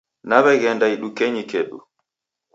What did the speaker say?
Naw'eghenda idukenyi kedu.